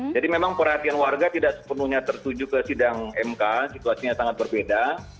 jadi memang perhatian warga tidak sepenuhnya tertuju ke sidang mk situasinya sangat berbeda